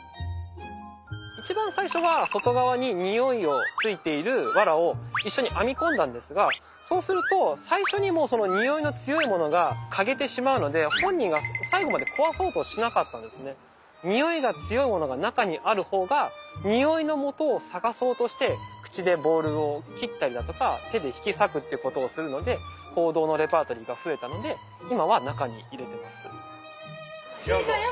一番最初は外側に匂いを付いているわらを一緒に編み込んだんですがそうすると最初にもうその匂いの強いものが嗅げてしまうので本人が匂いが強いものが中にある方が匂いのもとを探そうとして口でボールを切ったりだとか手で引き裂くっていうことをするので行動のレパートリーが増えたので今は中に入れてます。